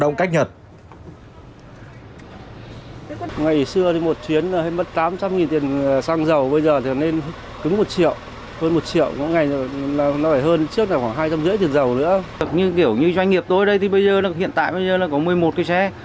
như kiểu như doanh nghiệp tôi đây thì hiện tại bây giờ là có một mươi một cái xe